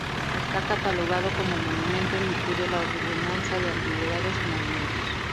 Está catalogado como monumento en virtud de la ordenanza de antigüedades y monumentos.